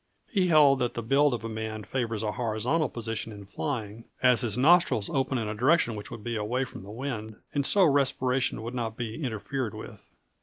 He held that the build of a man favors a horizontal position in flying, as his nostrils open in a direction which would be away from the wind, and so respiration would not be interfered with!